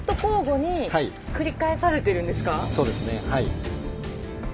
そうですねはい。